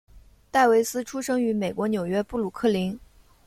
戴维斯出生于美国纽约布鲁克林。